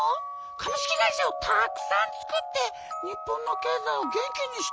株式会社をたくさん作って日本の経済を元気にした人よ」。